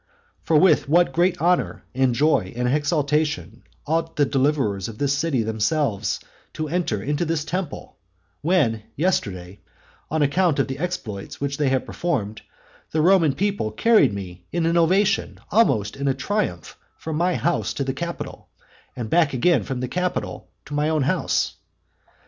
For with what great honour, and joy, and exultation ought the deliverers of this city themselves to enter into this temple, when yesterday, on account of the exploits which they have performed, the Roman people carried me in an ovation, almost in a triumph from my house to the Capitol, and back again from the Capitol to my own house?